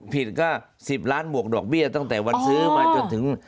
ผิดก็๑๐ล้านบวกดอกเบี้ยตั้งแต่วันซื้อมาจนถึง